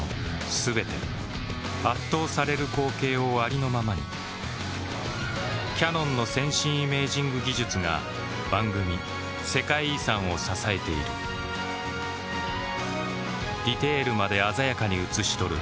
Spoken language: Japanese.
全て圧倒される光景をありのままにキヤノンの先進イメージング技術が番組「世界遺産」を支えているディテールまで鮮やかに映し撮る